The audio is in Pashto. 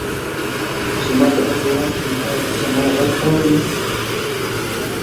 زما بدل به واخلي، ایا ته زما غږ اورې؟